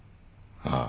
ああ。